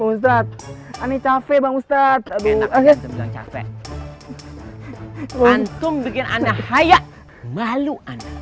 ustadz ane capek bang ustadz enak capek antum bikin anak haya malu